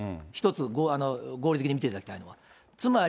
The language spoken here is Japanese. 一つ、合理的に見ていただきたいのは。